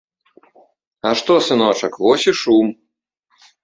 А што, сыночак, вось і шум.